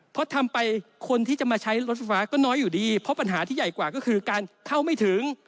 เพราะทำไปคนที่จะมาใช้รถไฟฟ้าก็น้อยอยู่ดีเพราะปัญหาที่ใหญ่กว่าก็คือการเข้าไม่ถึง